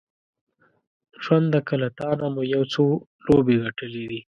ژونده که له تانه مو یو څو لوبې ګټلې دي